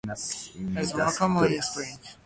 It is more common in spring.